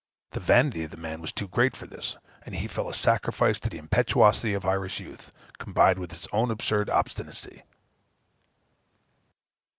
The vanity of the man was too great for this; and he fell a sacrifice to the impetuosity of Irish youth, combined with his own absurd obstinacy.